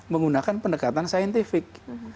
menggunakan pendekatan saintifik